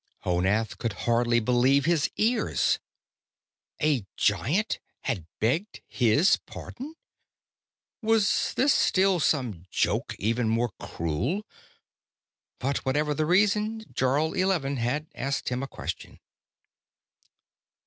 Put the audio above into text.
Honath could hardly believe his ears. A Giant had begged his pardon! Was this still some joke even more cruel? But whatever the reason, Jarl Eleven had asked him a question.